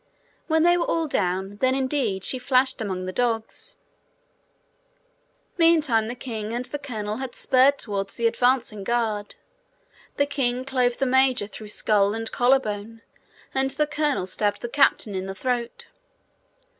When they were all down, then indeed she flashed among the dogs. Meantime the king and the colonel had spurred toward the advancing guard. The king clove the major through skull and collar bone, and the colonel stabbed the captain in the throat.